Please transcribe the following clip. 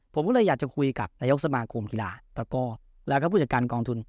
ผมก็เลยอยากจะคุยกับนายกสมาคมกีฬาตะก้อแล้วก็ผู้จัดการกองทุน